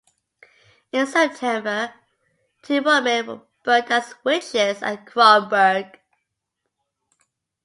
In September two women were burnt as witches at Kronborg.